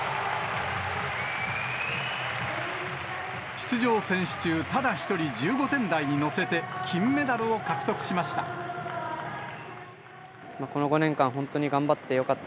出場選手中、ただ一人、１５点台に乗せて金メダルを獲得しました。